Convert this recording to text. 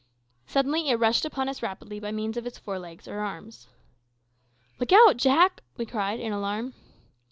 Suddenly it rushed upon us rapidly by means of its fore legs or arms. "Look out, Jack!" we cried in alarm.